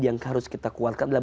yang harus kita kuatkan adalah